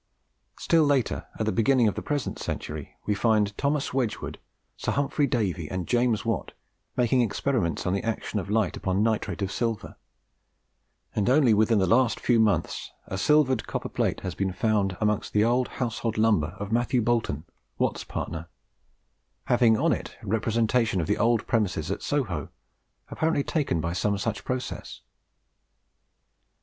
Still later, at the beginning of the present century, we find Thomas Wedgwood, Sir Humphry Davy, and James Watt, making experiments on the action of light upon nitrate of silver; and only within the last few months a silvered copper plate has been found amongst the old household lumber of Matthew Boulton (Watt's partner), having on it a representation of the old premises at Soho, apparently taken by some such process.